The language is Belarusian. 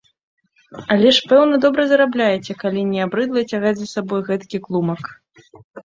Але ж, пэўна, добра зарабляеце, калі не абрыдла цягаць за сабой гэткі клумак.